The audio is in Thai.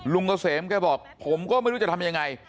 เกษมแกบอกผมก็ไม่รู้จะทำยังไง